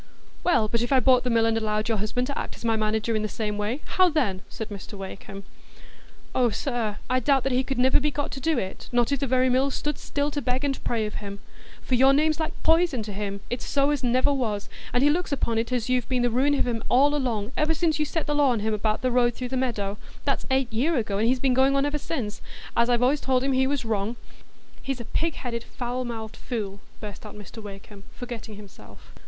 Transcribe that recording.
"Well, but if I bought the mill, and allowed your husband to act as my manager in the same way, how then?" said Mr Wakem. "Oh, sir, I doubt he could niver be got to do it, not if the very mill stood still to beg and pray of him. For your name's like poison to him, it's so as never was; and he looks upon it as you've been the ruin of him all along, ever since you set the law on him about the road through the meadow,—that's eight year ago, and he's been going on ever since—as I've allays told him he was wrong——" "He's a pig headed, foul mouthed fool!" burst out Mr Wakem, forgetting himself.